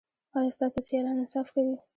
ایا ستاسو سیالان انصاف کوي؟